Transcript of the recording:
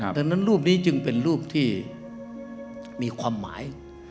ดังนั้นรูปนี้จึงเป็นรูปที่มีความหมาย